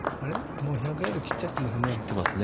もう１００ヤード、切ってますね。